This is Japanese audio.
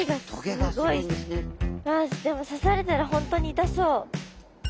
でも刺されたらホントに痛そう。